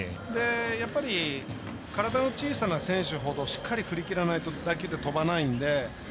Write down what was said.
やっぱり体の小さな選手ほどしっかり振りきらないと打球って飛ばないので。